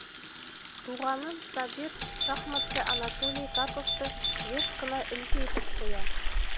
Туғаным Сабир шахматсы Анатолий Карповты йыш ҡына өлгө итеп ҡуя.